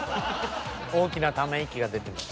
大きなため息が出てます。